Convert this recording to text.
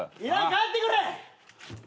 帰ってくれ！